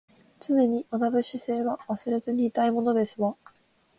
常に学ぶ姿勢は忘れずにいたいものですわ